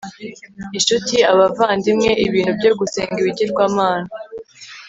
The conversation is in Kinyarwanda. inshuti, abavandimwe, ibintu byo gusenga ibigirwamana